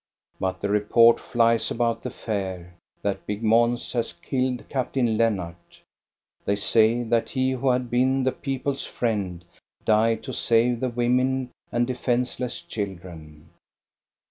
But the report flies about the Fair that big Mons has killed Captain Lennart. They say that he who had been the people's friend died to save the women and defenceless children.